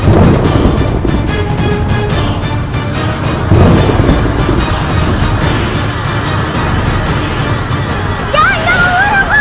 jangan jangan menurutku